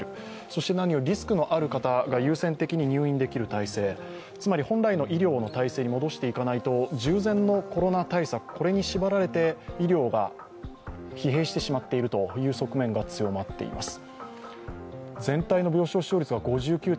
そして何よりリスクのある方が優先的に入院できる体制、つまり本来の医療の体制に戻していかないと、従前のコロナ対策、これに縛られて医療が疲弊してしまっている側面が強まっています。